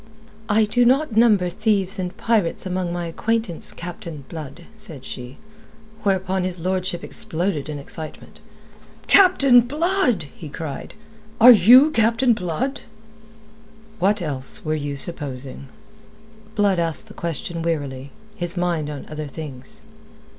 "I do not number thieves and pirates among my acquaintance, Captain Blood," said she; whereupon his lordship exploded in excitement. "Captain Blood!" he cried. "Are you Captain Blood?" "What else were ye supposing?" Blood asked the question wearily, his mind on other things.